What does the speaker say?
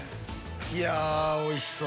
いやおいしそう！